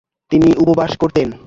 তিনি উপবাস করতেন।